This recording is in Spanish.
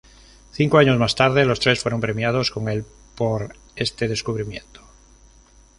Cinco años más tarde, los tres fueron premiados con el por este descubrimiento.